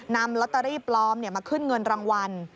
นำลอตเตอรี่ปลอมมาขึ้นเงินรางวัล